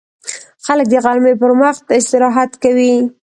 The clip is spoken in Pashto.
خلک د غرمې پر وخت استراحت کوي